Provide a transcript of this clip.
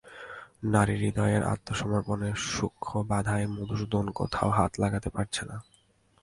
নারীহৃদয়ের আত্মসমর্পণের সূক্ষ্ম বাধায় মধুসূদন কোথাও হাত লাগাতে পারছে না।